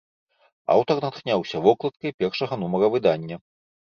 Аўтар натхняўся вокладкай першага нумара выдання.